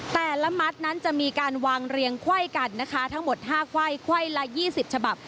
แต่ละมัดนั้นจะมีการวางเรียงไขว้กันนะคะทั้งหมด๕ไขว้ไขว้ละ๒๐ฉบับ